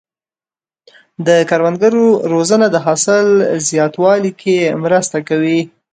د کروندګرو روزنه د حاصل زیاتوالي کې مرسته کوي.